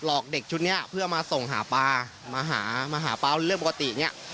อกเด็กชุดนี้เพื่อมาส่งหาปลามาหามาหาปลาเรื่องปกติเนี่ย